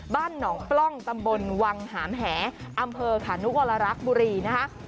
บ้านหนองปล้องตำบลวังหามแหอำเภอขานุวรรักษ์บุรีนะคะ